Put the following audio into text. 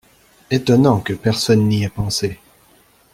Étonnant que personne n’y ait pensé.